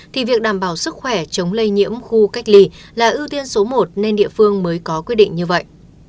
thì việc đảm bảo sức khỏe chống lây nhiễm khu cách ly là ưu tiên số một nên địa phương mới có quyết định như vậy